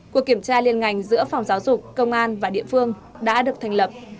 cuộc kiểm tra liên ngành giữa phòng giáo dục công an và địa phương đã được thành lập